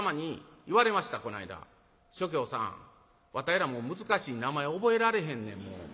「松喬さんわたいら難しい名前覚えられへんねんもう。